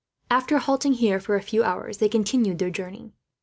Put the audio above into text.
After halting here for a few hours, they continued their journey.